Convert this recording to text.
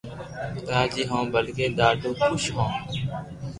راجي ھون بلڪي ڌادو خوݾ ھون